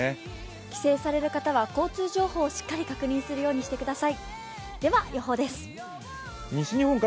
帰省される方は交通情報をしっかり確認するようにしてください。